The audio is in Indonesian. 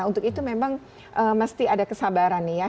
untuk itu memang mesti ada kesabaran nih ya